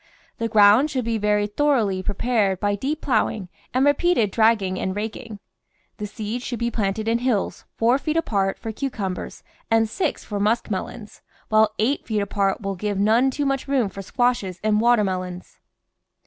The ground should be very thoroughly pre pared by deep ploughing and repeated dragging and raking. The seeds should be planted in hills four feet apart for cucumbers and six for musk melons, while eight feet apart will give none too much room for squashes and water melons.